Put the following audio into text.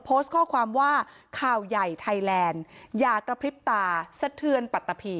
โพสต์ข้อความว่าข่าวใหญ่ไทยแลนด์อย่ากระพริบตาสะเทือนปัตตะพี